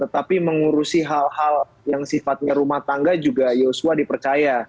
tetapi mengurusi hal hal yang sifatnya rumah tangga juga yosua dipercaya